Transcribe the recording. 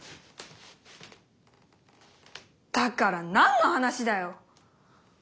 だから何の話だよ！？